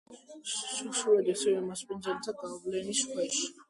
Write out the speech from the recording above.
სრულიად ექცევიან მასპინძელთა გავლენის ქვეშ.